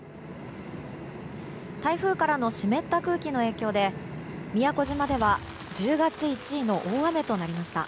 台風からの湿った空気の影響で宮古島では１０月１位の大雨となりました。